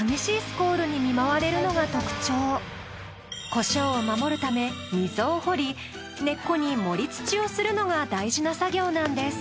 コショウを守るため溝を掘り根っこに盛り土をするのが大事な作業なんです。